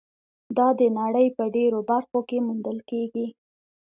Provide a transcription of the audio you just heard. دا د نړۍ په ډېرو برخو کې موندل کېږي.